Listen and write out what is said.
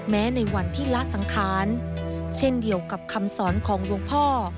ในวันที่ละสังขารเช่นเดียวกับคำสอนของหลวงพ่อ